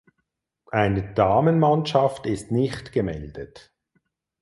Eine Damenmannschaft ist nicht gemeldet.